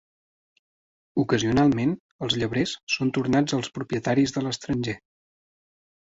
Ocasionalment els llebrers son tornats als propietaris de l'estranger.